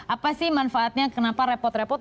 apa sih manfaatnya kenapa repot repot